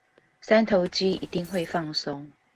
三頭肌一定會放鬆